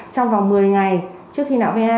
trong vòng một mươi ngày trước khi nạo va